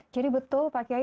jadi betul pak kiai